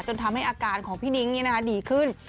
จนทำให้อาการของพี่นิ้งดีขึ้น